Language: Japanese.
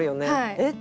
「えっ？」